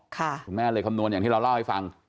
คุณแม่เลยคำนวณอย่างที่เราเล่าให้ฟัง